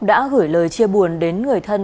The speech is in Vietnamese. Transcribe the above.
đã gửi lời chia buồn đến người thân